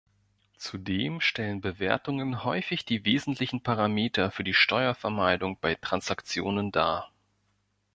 Zudem stellen Bewertungen häufig die wesentlichen Parameter für die Steuervermeidung bei Transaktionen dar.